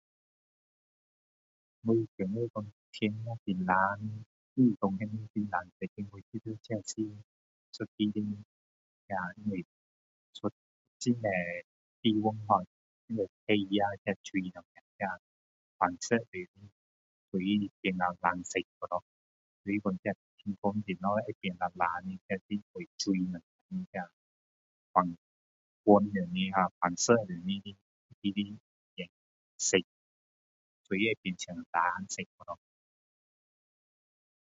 我觉得讲天空是蓝的是蓝色的是因为是一个很多地方ho很多海啊水啊反射的所以天会变成蓝色的所以说天空怎样会变蓝蓝的那是因为水什么啊反光上来啊反射上来那个色所以变浅蓝色掉咯